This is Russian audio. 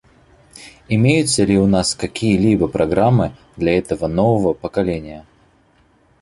Имеются ли у нас какие-либо программы для этого нового поколения?